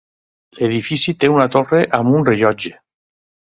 L"edifici té una torre amb un rellotge.